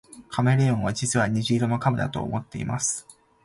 カメレオンは実は虹色の亀だと思っています